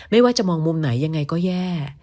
ไม่ว่าจะมองมุมไหนยังไงก็แย่